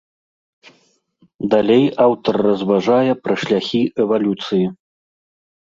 Далей аўтар разважае пра шляхі эвалюцыі.